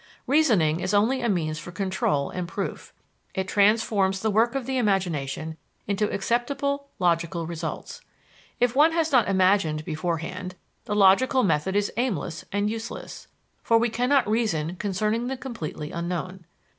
Reasoning is only a means for control and proof; it transforms the work of the imagination into acceptable, logical results. If one has not imagined beforehand, the logical method is aimless and useless, for we cannot reason concerning the completely unknown.